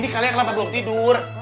kalian kenapa belum tidur